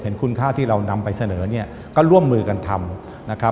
เห็นคุณค่าที่เรานำไปเสนอก็ร่วมมือกันทำ